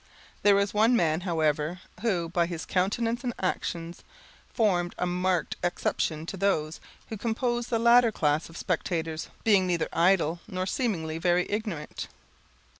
There was one man, however, who, by his countenance and actions, formed a marked exception to those who composed the latter class of spectators, being neither idle, nor seemingly very ignorant.